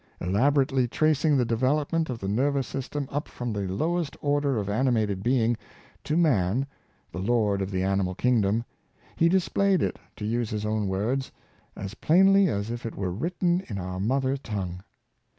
Elaborately tracing the development of the nervous system up from the lowest order of animated being, to man — the lord of the animal kingdom — he displayed it, to use his own words, " as plainly as if it were written in our mother tongue.